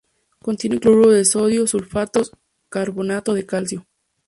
Contienen cloruro de sodio, sulfatos, carbonato de calcio.